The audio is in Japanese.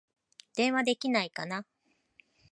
電話できないかな